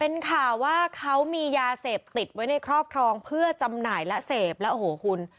เป็นข่าวว่าเขามียาเสพติดไว้ในครอบครองเพื่อจำหน่ายและเสพแล้วโอ้โหคุณ